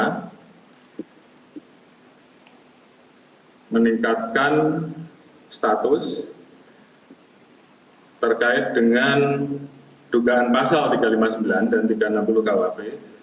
kita meningkatkan status terkait dengan dugaan pasal tiga ratus lima puluh sembilan dan tiga ratus enam puluh kuhp